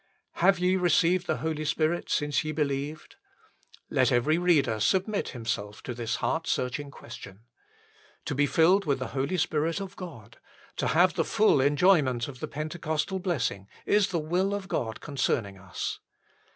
Have ye received the Holy Spirit since ye believed? Let every reader submit himself to this heart searching question. To be filled with the Holy Spirit of God, to have the full enjoy ment of the Pentecostal blessing, is the will of God concerning us.